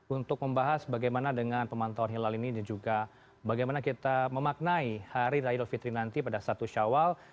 untuk membahas bagaimana dengan pemantauan hilal ini dan juga bagaimana kita memaknai hari raya idul fitri nanti pada satu syawal